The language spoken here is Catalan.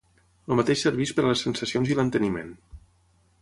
El mateix serveix per a les sensacions i l'enteniment.